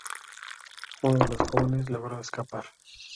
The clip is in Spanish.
Uno de los jóvenes logró escapar.